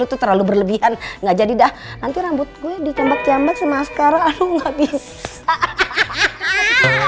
lu tuh terlalu berlebihan nggak jadi dah nanti rambut gue dicambat cambat sama askara aduh nggak bisa